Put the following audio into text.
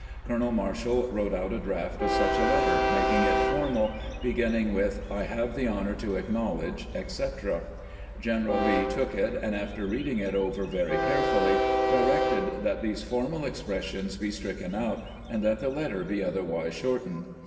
Colonel Marshall wrote out a draft of such a letter, making it formal, beginning with, " I have the honor to acknowledge," etc. General Lee took it, and after reading it over very carefully, directed that these formal expressions be stricken out, and that the letter be otherwise shortened.